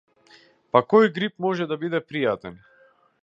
Па кој грип може да биде пријатен?